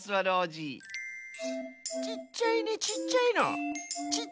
「ちっちゃいねちっちゃいの」。